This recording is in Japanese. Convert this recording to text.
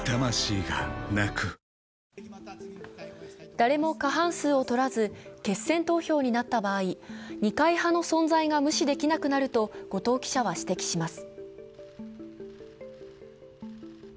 誰も過半数を取らず、決選投票になった場合、二階派の存在が無視できなくなると後藤記者は指摘します。